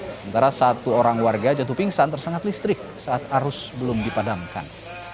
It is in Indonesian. sementara satu orang warga jatuh pingsan tersengat listrik saat arus belum dipadamkan